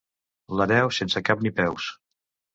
L'hereu sense cap ni peus.